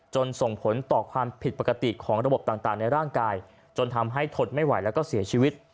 ส่งผลต่อความผิดปกติของระบบต่างในร่างกายจนทำให้ทนไม่ไหวแล้วก็เสียชีวิต